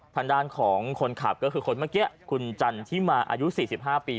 ทางด้านของคนขับก็คือคนเมื่อกี้คุณจันทิมาอายุ๔๕ปี